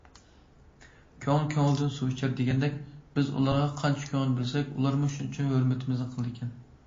‹‹ كۆڭۈل كۆڭۈلدىن سۇ ئىچەر›› دېگەندەك، بىز ئۇلارغا قانچە كۆڭۈل بۆلسەك، ئۇلارمۇ شۇنچە ھۆرمىتىمىزنى قىلىدىكەن.